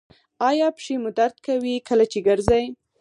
ایا پښې مو درد کوي کله چې ګرځئ؟